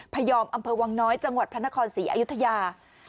พยอมอำเภอวังน้อยจังหวัดพระนครศรีอยุธยา